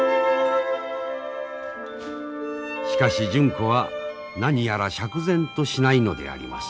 しかし純子は何やら釈然としないのであります。